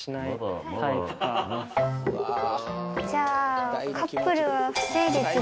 じゃあカップルは不成立だね。